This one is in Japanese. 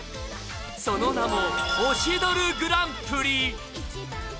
その名も、推しドルグランプリ。